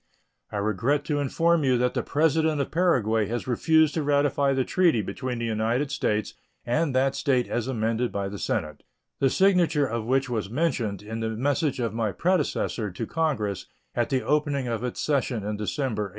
I regret to inform you that the President of Paraguay has refused to ratify the treaty between the United States and that State as amended by the Senate, the signature of which was mentioned in the message of my predecessor to Congress at the opening of its session in December, 1853.